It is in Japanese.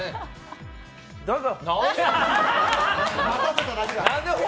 どうぞ。